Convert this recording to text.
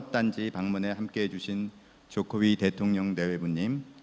pembahasan lng energy solution